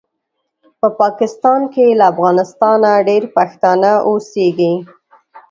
په پاکستان کې له افغانستانه ډېر پښتانه اوسیږي